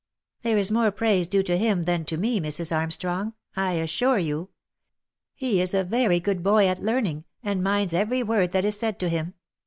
" There is more praise due to him than to me, Mrs. Armstrong, I assure you. He is a very good boy at learning, and minds every word that is said to him.